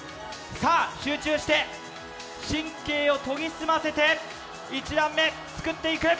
集中して、神経を研ぎ澄ませて１段目作っていく。